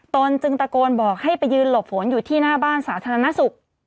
ตนจึงตะโกนบอกให้ไปยืนหลบฝนอยู่ที่หน้าบ้านสาธารณสุข